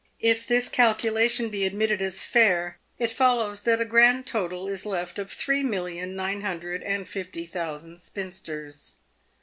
If this calculation be admitted as fair, it follows that a grand total is left of three million nine hundred and fifty thousand spinsters.